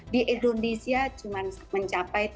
di indonesia cuma mencapai tujuh belas juta